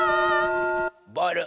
ボール！